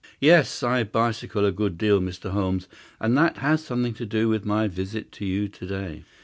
"Yes, I bicycle a good deal, Mr. Holmes, and that has something to do with my visit to you to day."